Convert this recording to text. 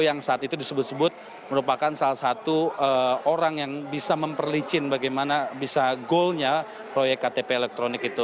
yang saat itu disebut sebut merupakan salah satu orang yang bisa memperlicin bagaimana bisa goalnya proyek ktp elektronik itu